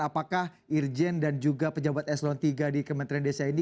apakah irjen dan juga pejabat eselon iii di kementerian desa ini